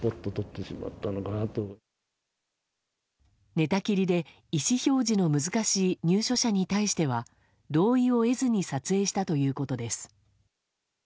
寝たきりで意思表示の難しい入所者に対しては同意を得ずに撮影したということです。